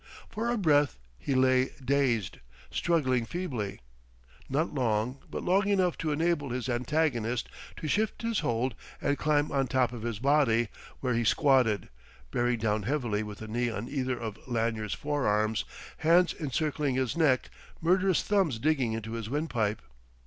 For a breath he lay dazed, struggling feebly; not long, but long enough to enable his antagonist to shift his hold and climb on top of his body, where he squatted, bearing down heavily with a knee on either of Lanyard's forearms, hands encircling his neck, murderous thumbs digging into his windpipe.